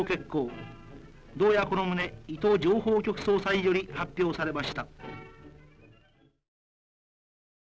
同夜この旨伊藤情報局総裁より発表されました」。